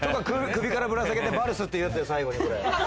首からぶら下げて「バルス」って言うやつですよ。